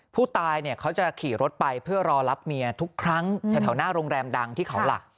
ผู้ตายเขาจะขี่รถไปเพื่อรอรับเมียทุกครั้งแถวหน้าโรงแรมดังที่เขาหลัก